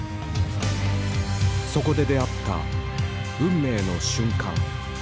そこで出会った運命の瞬間。